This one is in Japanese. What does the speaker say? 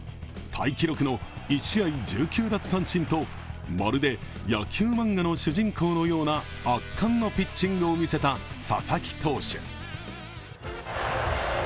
タイ記録の１試合１９奪三振とまるで野球漫画の主人公のような圧巻のピッチングを見せた佐々木投手。